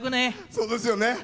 そうですよね。